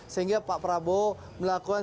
sehingga pak prabowo melakukan